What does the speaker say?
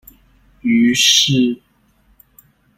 於是